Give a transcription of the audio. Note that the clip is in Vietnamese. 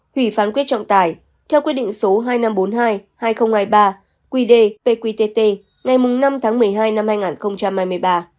hủy phán quyết trọng tài theo quyết định số hai nghìn năm trăm bốn mươi hai hai nghìn hai mươi ba qd pqtt ngày năm tháng một mươi hai năm hai nghìn hai mươi ba